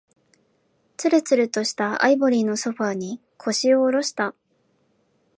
つるつるとしたアイボリーのソファーに、腰を下ろした。